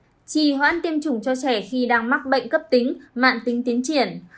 chống chỉ định tiêm chủng cho trẻ khi đang mắc bệnh cấp tính mạn tính tiến triển